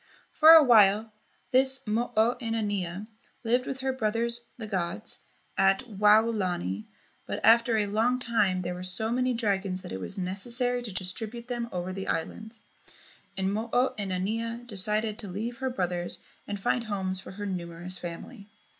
For a while this Mo o inanea lived with her brothers, the gods, at Waolani, but after a long time there were so many dragons that it was necessary to distribute them over the islands, and Mo o inanea decided to leave her brothers and find homes for her numerous family.